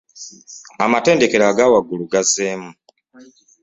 Amatendekero aga waggulu gazeemu.